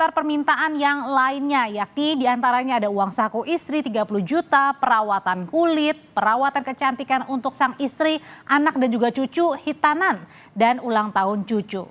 ada permintaan yang lainnya yakni diantaranya ada uang saku istri tiga puluh juta perawatan kulit perawatan kecantikan untuk sang istri anak dan juga cucu hitanan dan ulang tahun cucu